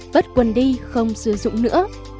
bớt quần đi không sử dụng nữa